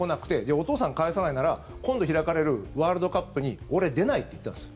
お父さんを帰さないなら今度開かれるワールドカップに俺、出ないって言ったんですよ。